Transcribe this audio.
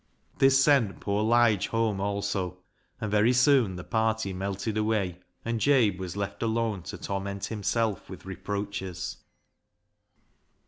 This sent poor Lige home also ; and very soon the party melted away, and Jabe was left alone to torment himself with reproaches.